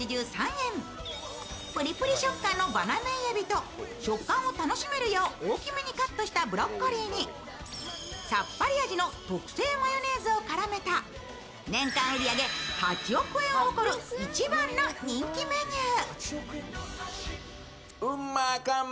ぷりぷり食感のバナメイエビと食感を楽しめるよう大きめにカットしたブロッコリーにさっぱり味の特製マヨネーズを絡めた年間売り上げ８億円を誇る一番の人気メニュー。